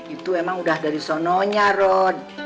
itu emang udah dari sononya rod